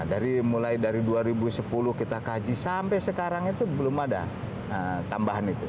dari mulai dari dua ribu sepuluh kita kaji sampai sekarang itu belum ada tambahan itu